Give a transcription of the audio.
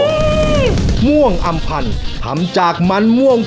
ข้างนอกเนี่ยนะคะตัวแป้งเค้าทำมาจากมันม่วง